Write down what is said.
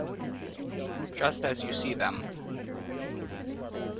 Just as you see them.